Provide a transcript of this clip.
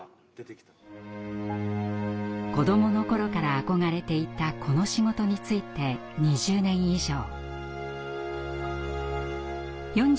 子どもの頃から憧れていたこの仕事に就いて２０年以上。